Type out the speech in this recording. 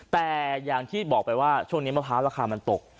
แต่อย่างที่บอกไปว่าช่วงนี้มะพร้าวราคามันตก